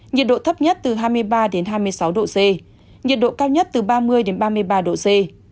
nhiệt độ thấp nhất từ hai mươi ba hai mươi sáu độ c nhiệt độ cao nhất từ ba mươi ba mươi ba độ c